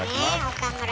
岡村。